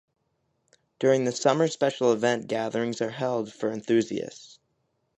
During the summer special event gatherings are held for enthusiasts.